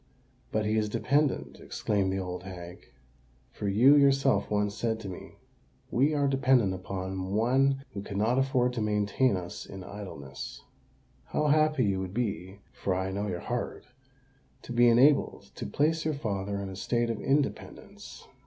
"But he is dependant," exclaimed the old hag: "for you yourself once said to me, 'We are dependant upon one who cannot afford to maintain us in idleness.' How happy would you be—for I know your heart—to be enabled to place your father in a state of independence!"